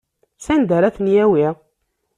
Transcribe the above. Sanda ara ten-yawi?